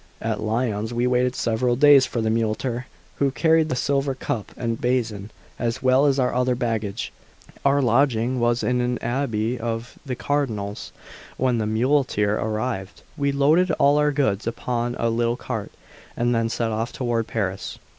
At Lyons we waited several days for the muleteer, who carried the silver cup and basin, as well as our other baggage; our lodging was in an abbey of the Cardinal's. When the muleteer arrived, we loaded all our goods upon a little cart, and then set off toward Paris.